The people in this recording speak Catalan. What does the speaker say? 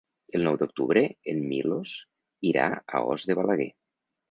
El nou d'octubre en Milos irà a Os de Balaguer.